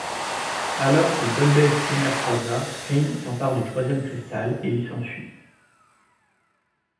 Alors que Golbez kidnappe Rosa, Kain s'empare du troisième cristal et ils s'enfuient.